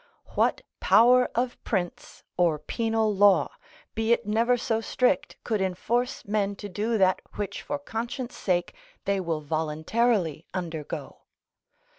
What power of prince, or penal law, be it never so strict, could enforce men to do that which for conscience' sake they will voluntarily undergo?